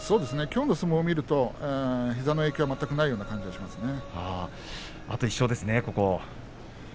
きょうの相撲を見ると膝の影響全くないような感じがしますね。